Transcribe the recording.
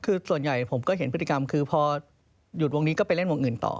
คือส่วนใหญ่ผมก็เห็นพฤติกรรมคือพอหยุดวงนี้ก็ไปเล่นวงอื่นต่อ